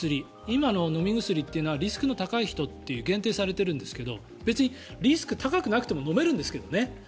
今の飲み薬というのはリスクが高い人と限定されてるんですけど別に、リスク高くなくても飲めるんですけどね。